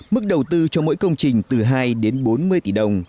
mức đầu tư cho mỗi công trình từ hai đến bốn mươi tỷ đồng